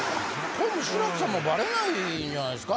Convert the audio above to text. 志らくさんもバレないんじゃないですか？